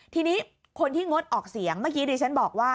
ทีนี้คนที่งดออกเสียงเมื่อกี้ดิฉันบอกว่า